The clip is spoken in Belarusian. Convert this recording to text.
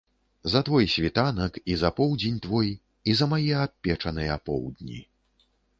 За твой світанак, і за поўдзень твой, і за мае абпечаныя поўдні.